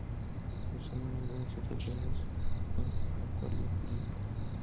Usado en algunas ocasiones en acuariofilia.